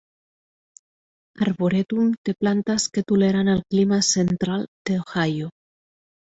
Arboretum té plantes que toleren el clima central d"Ohio.